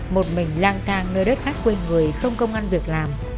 một mình lang thang nơi đất ác quê người không công ăn việc làm